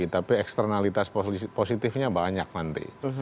tapi eksternalitas positifnya banyak nanti